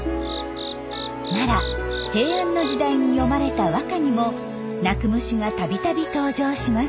奈良平安の時代に詠まれた和歌にも鳴く虫が度々登場します。